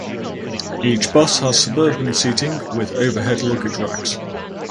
Each bus has suburban seating with overhead luggage racks.